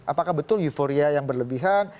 apakah betul euforia yang berlebihan